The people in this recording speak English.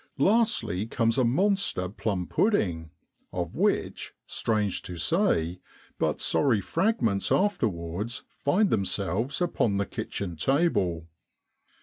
Lastly comes a monster plum pudding, of which, strange to say, but sorry fragments afterwards find themselves upon the kitchen table.